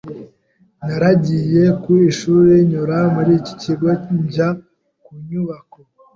Naragiye ku ishuri nyura muri kigo njya ku nyubako